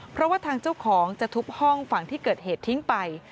เพราะว่าทางเจ้าของจะทุบห้องฝั่งที่เกิดเหตุทิ้งไป